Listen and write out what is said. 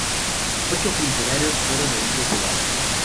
Ocho funcionarios fueron heridos de bala.